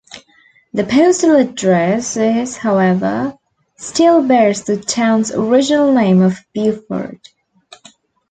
The postal addresses, however, still bears the town's original name of "Buford".